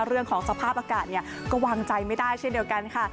เรื่องของสภาพอากาศก็วางใจไม่ได้เช่นเดียวกันค่ะ